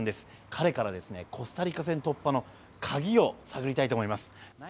彼からコスタリカ戦突破の鍵を探りたいと思います。